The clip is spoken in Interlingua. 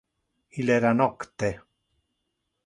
Il era nocte.